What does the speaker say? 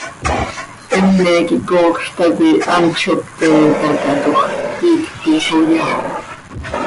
Heme quih coocj tacoi hant zo pte itacaatoj, pti iicp ixoyai.